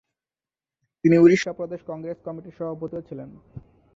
তিনি উড়িষ্যা প্রদেশ কংগ্রেস কমিটির সভাপতিও ছিলেন।